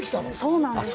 そうなんです。